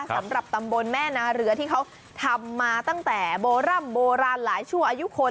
สำหรับตำบลแม่นาเรือที่เขาทำมาตั้งแต่โบร่ำโบราณหลายชั่วอายุคน